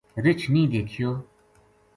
رچھ نیہہ دیکھیو